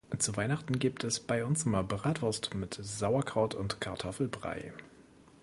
Zu Weihnachten gibt es bei uns immer Bratwurst mit Sauerkraut und Kartoffelbrei.